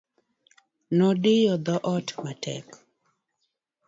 Nodiyo dhoot matek.